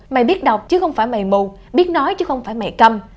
mày biết đọc chứ không phải mày mù biết nói chứ không phải mày cầm